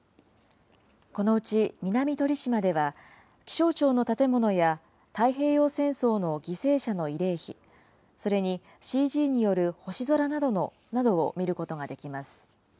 このうち、南鳥島では気象庁の建物や、太平洋戦争の犠牲者の慰霊碑、それにＣＧによる星空などを見ることができます。